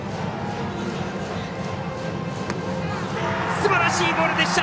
すばらしいボールでした！